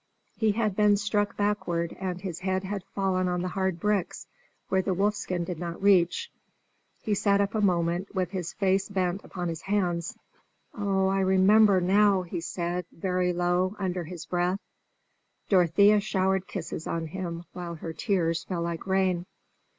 He had been struck backward, and his head had fallen on the hard bricks where the wolfskin did not reach. He sat up a moment, with his face bent upon his hands. "I remember now," he said, very low, under his breath. Dorothea showered kisses on him, while her tears fell like rain.